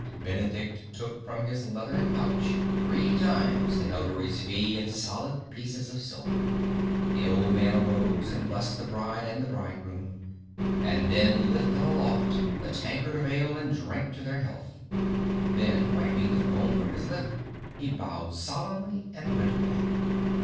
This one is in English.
Benedict took from his leathern pouch three times the notary's fee in solid pieces of silver. The old man arose and blessed the bride and the bridegroom, and then lifted aloft the tankard of ale and drank to their health. Then wiping the foam from his lip, he bowed solemnly and went away.